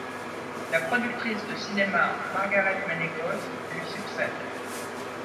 La productrice de cinéma Margaret Ménégoz lui succède.